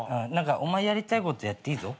お前やりたいことやっていいぞ。